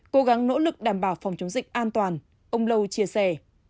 cố gắng nỗ lực đảm bảo phòng chống dịch an toàn ông lâu chia sẻ